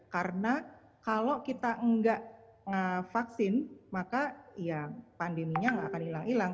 karena kalau kita enggak vaksin maka ya pandeminya enggak akan hilang hilang